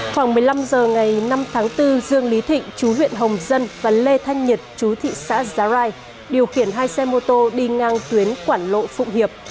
khoảng một mươi năm h ngày năm tháng bốn dương lý thịnh chú huyện hồng dân và lê thanh nhật chú thị xã giá rai điều khiển hai xe mô tô đi ngang tuyến quảng lộ phụng hiệp